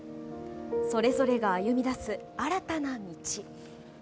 それぞれが歩み出す新たな道。